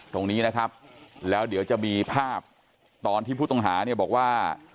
ตรงนี้นะครับแล้วเดี๋ยวจะมีภาพตอนที่ผู้ต้องหาเนี่ยบอกว่า